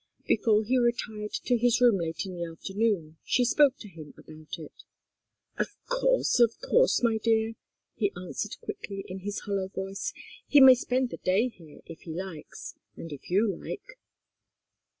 Before he retired to his room late in the afternoon, she spoke to him about it. "Of course, of course, my dear," he answered quickly, in his hollow voice. "He may spend the day here, if he likes and if you like."